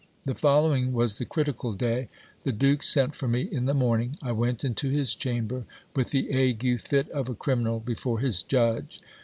The following was the critical day. The duke sent for me in the morning. I went into his chamber, with the ague fit of a criminal before his judge.